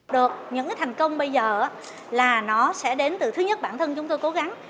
được những thành công bây giờ là nó sẽ đến từ thứ nhất bản thân chúng tôi cố gắng